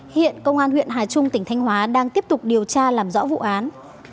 hiện công an huyện hà trung tỉnh thanh hóa đang tiếp tục điều tra làm rõ vụ án